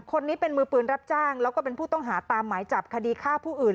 คนนี้เป็นมือปืนรับจ้างแล้วก็เป็นผู้ต้องหาตามหมายจับคดีฆ่าผู้อื่น